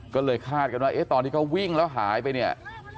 ก็เลยคาดกันว่าตอนที่เขาวิ่งแล้วหายไปเนี่ย